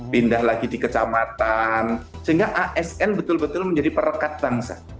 pindah lagi di kecamatan sehingga asn betul betul menjadi perekat bangsa